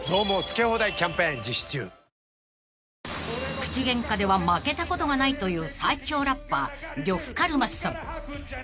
［口ゲンカでは負けたことがないという最強ラッパー呂布カルマさん］